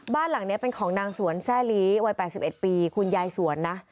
บ้านหลังนี้เป็นของนางสวนแซ่ลีวัย๘๑ปีคุณยายสวนนะ